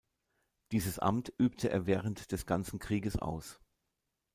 Dieses Amt übte er während des ganzen Krieges aus.